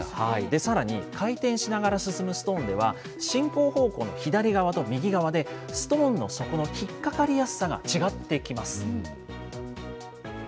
さらに回転しながら進むストーンでは、進行方向の左側と右側で、ストーンの底の引っ掛かりやすさが違ってきます。